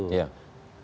termasuk juga misalnya